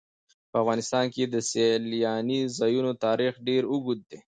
په افغانستان کې د سیلاني ځایونو تاریخ ډېر اوږد دی.